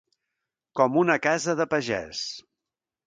Com una casa de pagès.